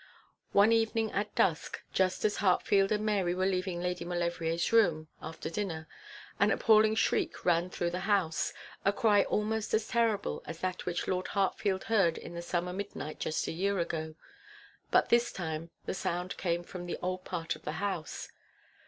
One evening at dusk, just as Hartfield and Mary were leaving Lady Maulevrier's room, after dinner, an appalling shriek ran through the house a cry almost as terrible as that which Lord Hartfield heard in the summer midnight just a year ago. But this time the sound came from the old part of the house.